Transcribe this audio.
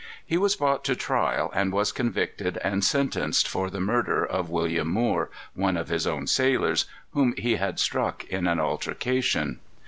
He was brought to trial, and was convicted and sentenced for the murder of William Moore, one of his own sailors, whom he had struck in an altercation.